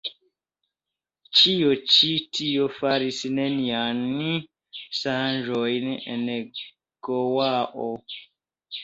Ĉio ĉi tio faris neniajn ŝanĝojn en Goao.